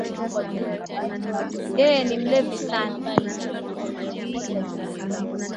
Yeye ni mlevi sana